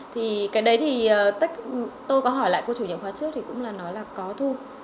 thì cái đấy thì tôi có hỏi lại cô chủ nhiệm khóa trước thì cũng là nói là có thu